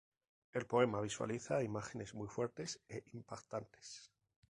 El poema visualiza imágenes muy fuertes e impactantes.